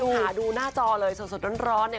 คุณสมขาดูหน้าจอเลยสดร้อนเนี่ย